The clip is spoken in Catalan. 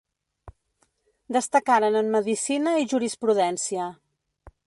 Destacaren en Medicina i jurisprudència.